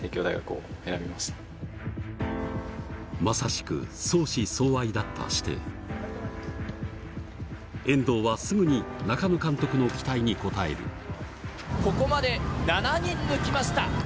まさしく相思相愛だった師弟遠藤はすぐに中野監督の期待に応えるここまで７人抜きました！